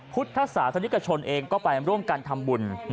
พุทธศาสนิกชนเองก็ไปร่วมกันทำบุญ